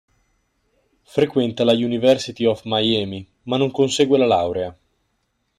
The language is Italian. Frequenta la University of Miami ma non consegue la laurea.